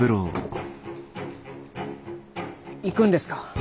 行くんですか？